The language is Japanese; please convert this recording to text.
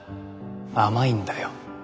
甘いんだよ。